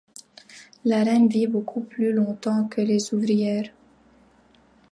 La reine vit beaucoup plus longtemps que les ouvrières.